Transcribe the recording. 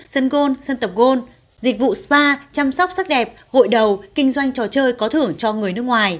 sân gôn sân tập gôn dịch vụ spa chăm sóc sắc đẹp hội đầu kinh doanh trò chơi có thưởng cho người nước ngoài